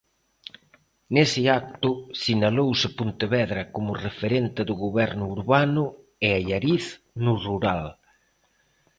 Nese acto sinalouse Pontevedra como referente de goberno urbano e Allariz, no rural.